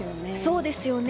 そうですよね。